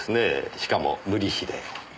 しかも無利子で。